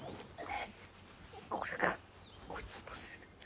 これかこっちのせいで。